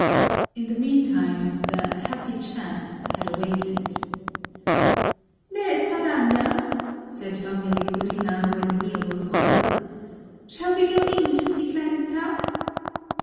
In the meantime the happy chance had awakened. "De Espadaña," said Doña Victorina, when the meal was over, "shall we go in to see Clarita?"